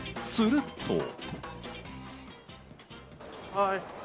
すると。